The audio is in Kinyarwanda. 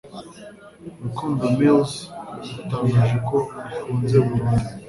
Rukundo Mills yatangaje ko ifunze burundu,